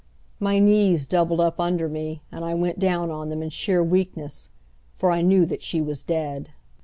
My knees doubled up under me and I went down on them in sheer weakness, for I knew that she was dead.